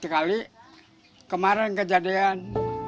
empat kali kemarin kejadian